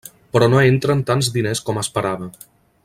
Però no entren tants diners com esperava.